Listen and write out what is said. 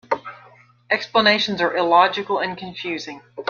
Explanations are illogical and confusing.